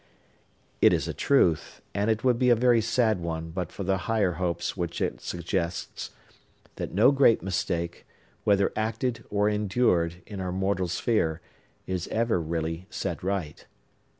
It is a truth (and it would be a very sad one but for the higher hopes which it suggests) that no great mistake, whether acted or endured, in our mortal sphere, is ever really set right.